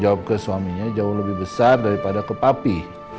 jawab ke suaminya jauh lebih besar daripada ke papi